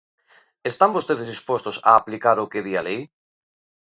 ¿Están vostedes dispostos a aplicar o que di a lei?